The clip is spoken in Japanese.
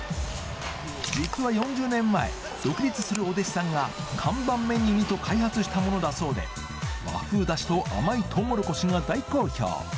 実は４０年前独立するお弟子さんが看板メニューにと開発したものだそうで和風ダシと甘いとうもろこしが大好評